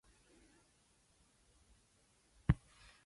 A prison record affects the ability to find employment.